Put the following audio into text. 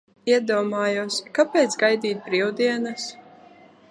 Iedomājos, kāpēc gaidīt brīvdienas?